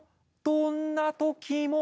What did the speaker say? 「どんなときも」